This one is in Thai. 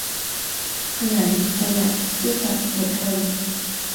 ขยัน ประหยัด ซื่อสัตย์ อดทน